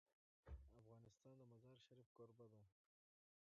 افغانستان د مزارشریف کوربه دی.